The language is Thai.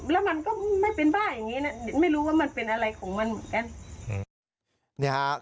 แล้วมันก็ไม่เป็นบ้าอย่างนี้นะไม่รู้ว่ามันเป็นอะไรของมันเหมือนกัน